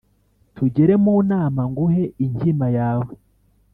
tugere mu nama nguhe inkima yawe